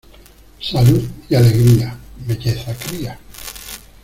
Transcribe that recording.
Salud y alegría, belleza cría.